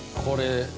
これ。